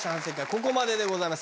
ここまででございます。